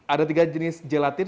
ada tiga jenis gelatin